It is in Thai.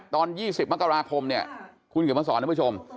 ตอน๒๐มกราคมเนี่ยคุณก็มาสอนนะผู้ชม